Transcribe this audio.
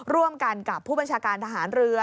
ร่วมกันกับผู้บัญชาการทหารเรือ